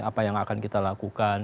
apa yang akan kita lakukan